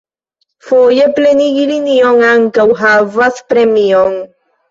Foje, plenigi linion ankaŭ havas premion.